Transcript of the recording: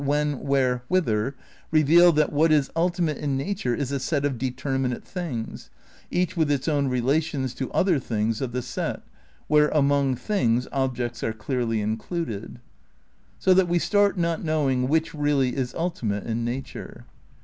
When? Where? Whither? "reveal that what is ulti mate in nature is a set of determinate things, each with Ill THE CRITICAL PREPARATIONS 99 its own relations to other things of the set," where among "things" objects are clearly included. So that we start not knowing which really is ultimate in nature.